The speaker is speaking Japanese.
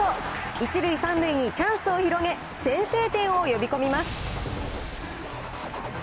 １塁３塁にチャンスを広げ、先制点を呼び込みます。